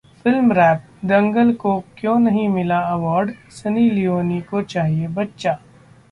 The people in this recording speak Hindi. FilmWrap: दंगल को क्यों नहीं मिला अवॉर्ड, सनी लियोनी को चाहिए बच्चा